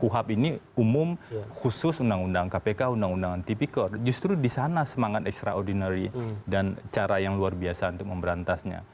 kuhap ini umum khusus undang undang kpk undang undang tipikor justru di sana semangat extraordinary dan cara yang luar biasa untuk memberantasnya